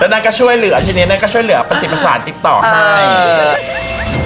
แล้วน่าก็ช่วยเหลือทีนี้น่าก็ช่วยเหลือปศิษย์ภาษาติ๊กต่อให้